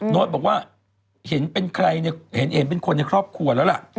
โน๊ตบอกว่าเห็นเป็นใครเป็นคนในครอบครัวแล้วล่ะ